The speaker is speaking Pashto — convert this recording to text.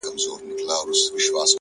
د خبرونو وياند يې _